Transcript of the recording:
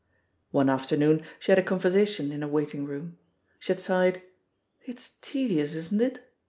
One afternoon she had a conversation in a waiting room. She had sighed, "It's tedious, isn't it?"